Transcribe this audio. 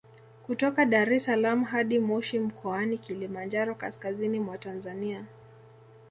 Kutoka Dar es salaam hadi Moshi mkoani Kilimanjaro kaskazini mwa Tanzania